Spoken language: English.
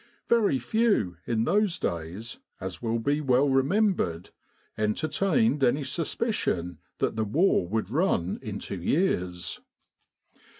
Very few, in those days, as will be well remembered, entertained any suspicion that the war would run into years.